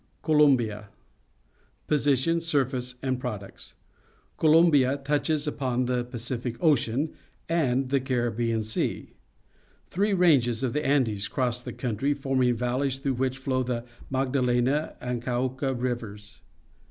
COLOMBIA Position, Surface, and Products. — Colom bia touches upon both the Pacific Ocean and the Caribbean Sea. Three ranges of the Andes cross the country, forming val leys through which flow the Macjdalena and Cauca Rivers.